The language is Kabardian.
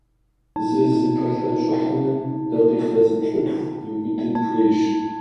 ЗызыпылъэщӀыхьыным дакъикъэ зыплӏытху иубыдын хуейщ.